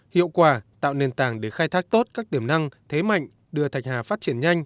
hiệu quả tạo nền tảng để khai thác tốt các tiềm năng thế mạnh đưa thạch hà phát triển nhanh